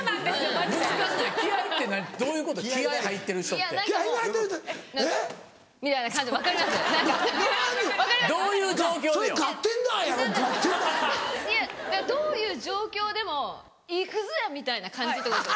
合点だ！どういう状況でも「行くぜ！」みたいな感じってことね。